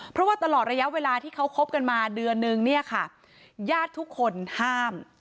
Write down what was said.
เพราะว่าตลอดระยะเวลาที่เขาคบกันมาเดือนนึงเนี่ยค่ะญาติทุกคนห้าม